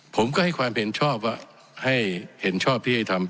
ผมก็ให้ความเห็นชอบว่าให้เห็นชอบที่ให้ทำ